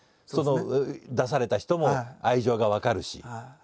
その出された人も愛情が分かるし。